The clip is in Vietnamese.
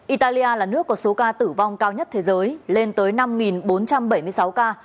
italia là nước có số ca tử vong cao nhất thế giới lên tới năm bốn trăm bảy mươi sáu ca